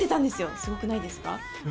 すごくないですか。